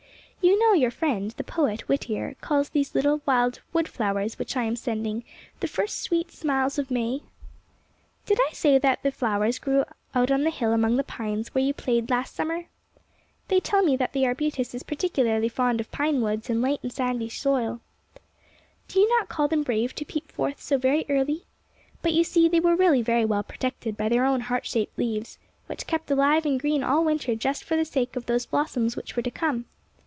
" You know% your friend, the poet, Whittier, calls these little wild wood flowers which I am sending ' The first sweet smiles of May '?'' Did I say that these flowers grew out on the hill among the pines where you played 50 THE ARBUTUS last summer? They tell me that the arbutus is particularly fond of pine woods and light sandy soil. '' Do you not call them brave to peep forth so very early? But, you see, they were really very well protected by their own heart shaped leaves, which kept alive and green all winter just for the sake of those blossoms which were to come.